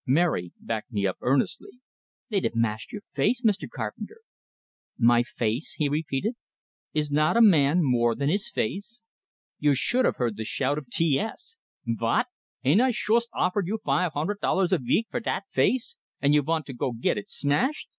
Mary backed me up earnestly. "They'd have mashed your face, Mr. Carpenter." "My face?" he repeated. "Is not a man more than his face?" You should have heard the shout of T S! "Vot? Ain't I shoost offered you five hunded dollars a veek fer dat face, and you vant to go git it smashed?